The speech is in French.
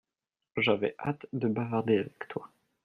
J’avais hâte de bavarder avec toi.